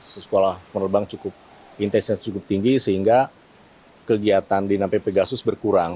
sekolah penerbang intensitas cukup tinggi sehingga kegiatan di the dynamic pegasus berkurang